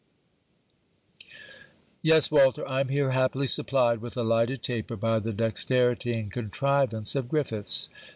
Yes, Walter, I am here happily supplied with a lighted taper by the dexterity and contrivance of Griffiths.